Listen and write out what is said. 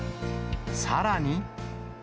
さらに。